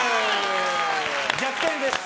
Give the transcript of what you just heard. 逆転です！